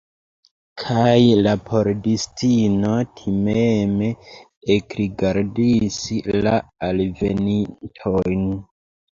Kaj la pordistino timeme ekrigardis la alvenintojn.